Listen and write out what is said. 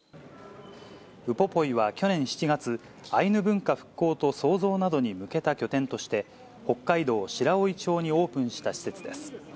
ウポポイは去年７月、アイヌ文化復興と創造などに向けた拠点として、北海道白老町にオープンした施設です。